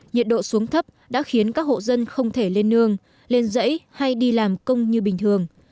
nhiệt độ xuống thấp đã khiến các hộ dân không thể lên nương lên rẫy hay đi làm công như bình thường